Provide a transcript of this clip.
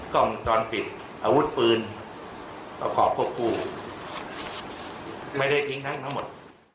กล้องจรปิดอาวุธปืนออกขอบคบคู่ไม่ได้ทิ้งทั้งทั้งหมด